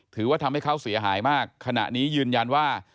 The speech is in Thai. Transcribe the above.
ถือว่าทำให้เขาเสียหายมากขณะนี้ยืนยันว่า